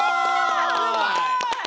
すごい！